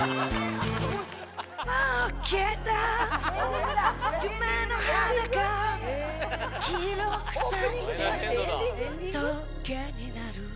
もう消えた夢の花が黄色く咲いて棘になる